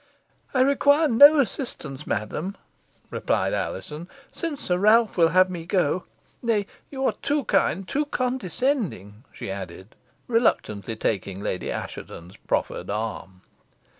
"I require no assistance, madam," replied Alizon, "since Sir Ralph will have me go. Nay, you are too kind, too condescending," she added, reluctantly taking Lady Assheton's proffered arm.